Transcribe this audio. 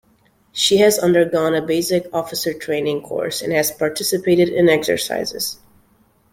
She has undergone a basic officer training course and has participated in exercises.